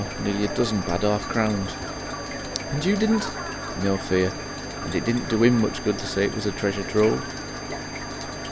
nearly a dozen bad 'arf crowns." "And you didn't ?" "No fear. And it didn't do 'IM much good to say it was treasure trove."